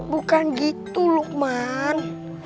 bukan gitu lukman